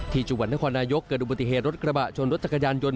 ที่จังหวัดนครนายกเกิดอุบัติเหตุรถกระบะชนรถจักรยานยนต